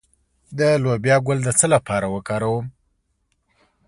د لوبیا ګل د څه لپاره وکاروم؟